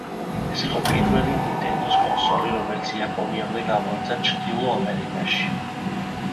ეს იყო პირველი ნინტენდოს კონსოლი, რომელიც იაპონიამდე გამოიცა ჩრდილო ამერიკაში.